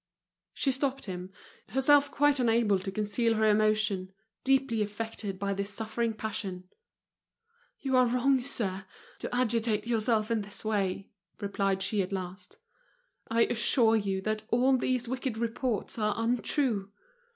She stopped him, herself quite unable to conceal her emotion, deeply affected by this suffering passion. "You are wrong, sir, to agitate yourself in this way," replied she, at last. "I assure you that all these wicked reports are untrue.